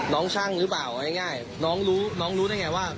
น้องช่างหรือเปล่าง่ายน้องรู้ได้ไงว่า